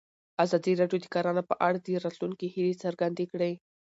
ازادي راډیو د کرهنه په اړه د راتلونکي هیلې څرګندې کړې.